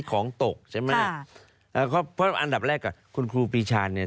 ของตกใช่ไหมเพราะอันดับแรกกับคุณครูปีชาเนี่ย